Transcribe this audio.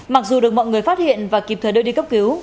mặc dù được mọi người phát hiện và kịp thời đưa đi cấp cứu